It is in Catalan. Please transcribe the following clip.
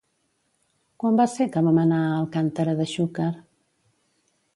Quan va ser que vam anar a Alcàntera de Xúquer?